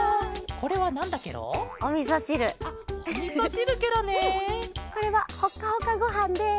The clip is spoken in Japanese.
これはほかほかごはんです。